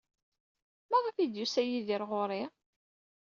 Maɣef ay d-yusa Yidir ɣer-i?